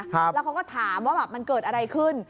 แล้วเขาก็ถามว่ามันเกิดอะไรขึ้น